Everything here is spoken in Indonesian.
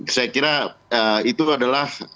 saya kira itu adalah